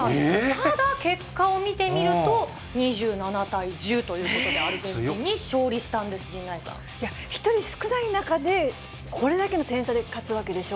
ただ、結果を見てみると、２７対１０ということで、アルゼンチンに勝利したんです、陣内さ１人少ない中で、これだけの点差で勝つわけでしょ？